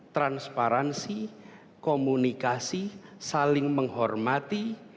transparansi komunikasi saling menghormati